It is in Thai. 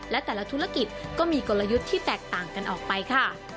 และแต่ละธุรกิจก็มีกลยุทธ์ที่แตกต่างกันออกไปค่ะ